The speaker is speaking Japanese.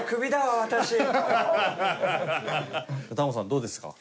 どうですか？